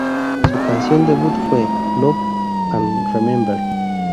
Su canción debut fue "Love and Remember".